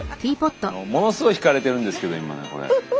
あのものすごい惹かれてるんですけど今ねこれ。